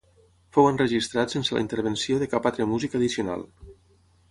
Fou enregistrat sense la intervenció de cap altre músic addicional.